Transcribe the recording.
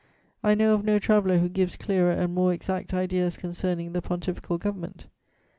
I know of no traveller who gives clearer and more exact ideas concerning the Pontifical Government.